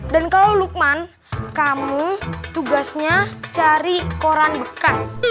dan kalau lukman kamu tugasnya cari koran bekas